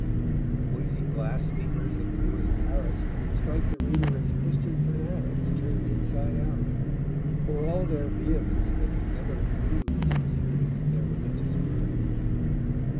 The noisy blasphemers of the newest Paris strike the reader as Christian fanatics turned inside out; for all their vehemence they can never lose the experience of their religious birth.